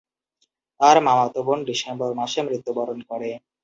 তার মামাতো বোন ডিসেম্বর মাসে মৃত্যুবরণ করে।